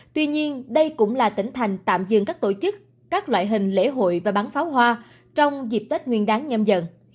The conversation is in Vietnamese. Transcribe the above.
tuy nhiên đây cũng là tỉnh thành tạm dừng các tổ chức các loại hình lễ hội và bán pháo hoa trong dịp tết nguyên đáng nhâm dần